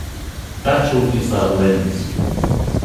That tool is the "Lens".